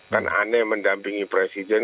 kan aneh mendampingi presiden